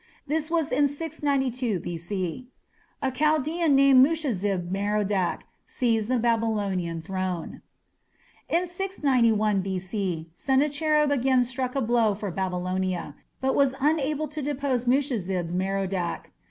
This was in 692 B.C. A Chaldaean named Mushezib Merodach seized the Babylonian throne. In 691 B.C. Sennacherib again struck a blow for Babylonia, but was unable to depose Mushezib Merodach.